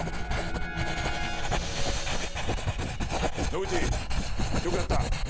野口よくやった。